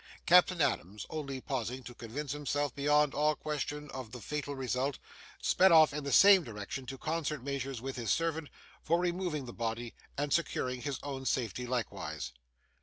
Captain Adams only pausing to convince himself, beyond all question, of the fatal result sped off in the same direction, to concert measures with his servant for removing the body, and securing his own safety likewise.